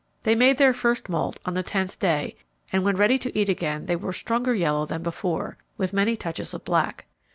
They made their first moult on the tenth day and when ready to eat again they were stronger yellow than before, with many touches of black.